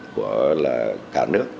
của cả nước